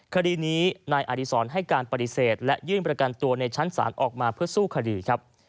คดีนี้นายอดีศรให้การปฏิเสธและยื่นประกันตัวในชั้นศาลออกมาเพื่อสู้คดีครับ